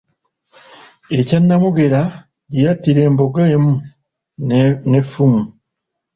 E Kyannamugera, gye yattira embogo emu n'effumu.